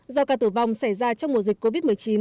do ca tử vong xảy ra trong mùa dịch covid một mươi chín